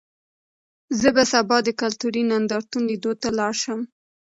زه به سبا د کلتوري نندارتون لیدو ته لاړ شم.